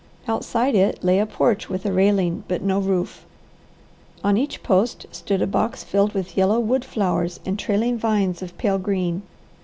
Outside it lay a porch with a railing, but no roof. On each post stood a box filled with yellow wood flowers and trailing vines of pale green.